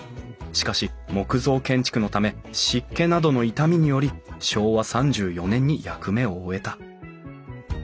しかし木造建築のため湿気などの傷みにより昭和３４年に役目を終えた。